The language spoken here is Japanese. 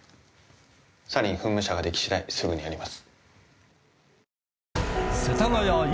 サリン噴霧車が出来次第すぐにやります。